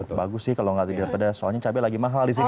oh bagus sih kalau tidak terlalu pedas soalnya cabai lagi mahal disini